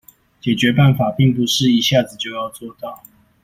解決辦法並不是一下子就要做到